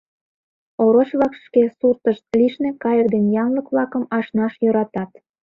Ороч-влак шке суртышт лишне кайык ден янлык-влакым ашнаш йӧратат.